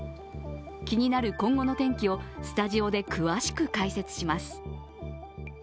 気になる今後の天気をスタジオで詳しく解説します。